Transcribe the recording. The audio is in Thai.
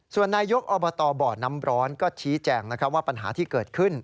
ส่วนนายกอบตบ่อน้ำร้อนก็ชี้แจงว่าปัญหาที่เกิดขึ้น